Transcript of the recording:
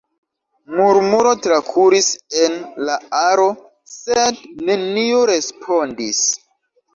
Murmuro trakuris en la aro, sed neniu respondis.